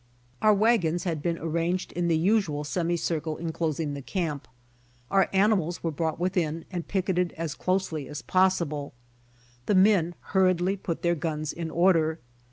Our wag(ms had been arranged in the usual semi circle enclosing the camp. Our animals were brought 80 BY OX TEAM TO CALIFORNIA within and picketed as closely as possible. The men hurriedly put their guns in order.